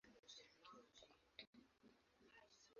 Babake ana asili ya kutoka Misri na mamake ni wa Palestina.